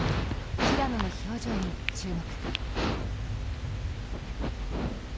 平野の表情に注目。